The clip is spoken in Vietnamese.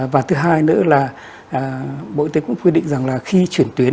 và thứ hai nữa là bộ y tế cũng quy định rằng là khi chuyển tuyến